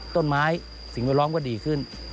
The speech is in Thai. ต้นไม้สิ่งแวดล้อมก็ดีขึ้น